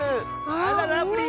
あらラブリー。